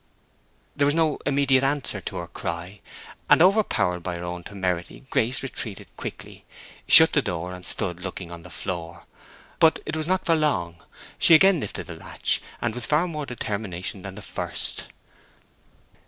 There was no immediate answer to her cry, and overpowered by her own temerity, Grace retreated quickly, shut the door, and stood looking on the floor. But it was not for long. She again lifted the latch, and with far more determination than at first.